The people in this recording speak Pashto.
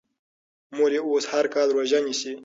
مور یې اوس هر کال روژه نیسي.